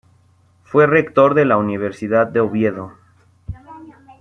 Fue rector de la Universidad de Oviedo.